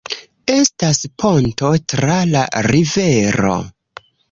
Estas ponto tra la rivero.